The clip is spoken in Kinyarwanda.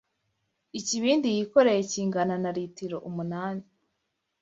Ikibindi yikoreye kingana na ritiro umunani